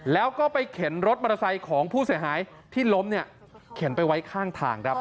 แล้วก็ไปเข็นรถมอเตอร์ไซค์ของผู้เสียหายที่ล้มเนี่ยเข็นไปไว้ข้างทางครับ